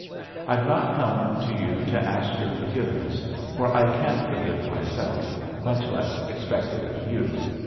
I've not come to you to ask your forgiveness, for I can't forgive myself, much less expect it of you.